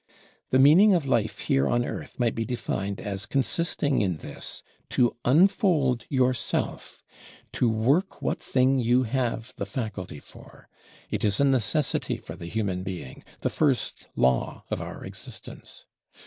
The meaning of life here on earth might be defined as consisting in this: To unfold your self, to work what thing you have the faculty for. It is a necessity for the human being, the first law of our existence.